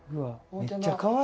めっちゃかわいい。